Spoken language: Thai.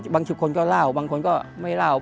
คนก็เล่าบางคนก็ไม่เล่า